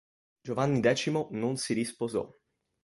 Giovanni X non si risposò.